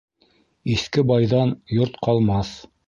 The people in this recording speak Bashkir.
Иҫке байҙан йорт ҡалмаҫ